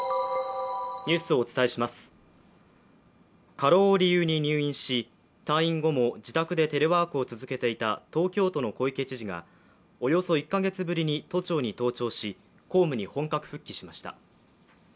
過労を理由に入院し、退院後も自宅でテレワークを続けていた東京都の小池知事がおよそ１カ月ぶりに都庁に登庁し、公務に本格復帰しました。